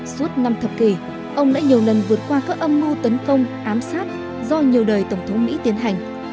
suốt năm thập kỷ ông đã nhiều lần vượt qua các âm mưu tấn công ám sát do nhiều đời tổng thống mỹ tiến hành